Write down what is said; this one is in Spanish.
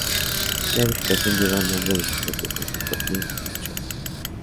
La edificación lleva el nombre de su propio constructor, Jim Bishop.